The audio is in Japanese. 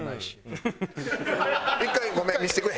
１回ごめん見せてくれ。